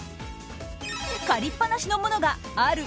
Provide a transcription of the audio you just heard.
借りっぱなしの物がある？